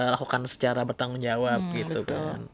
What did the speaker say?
lakukan secara bertanggung jawab gitu kan